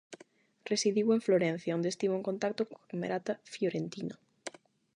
Residiu en Florencia, onde estivo en contacto coa Camerata Fiorentina.